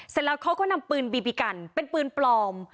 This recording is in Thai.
เสร็จแล้วเขาก็นำปืนบีบีกันเป็นปืนปลอม